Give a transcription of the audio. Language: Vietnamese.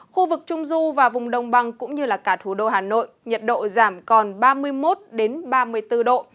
khu vực trung du và vùng đông bằng cũng như cả thủ đô hà nội nhiệt độ giảm còn ba mươi một ba mươi bốn độ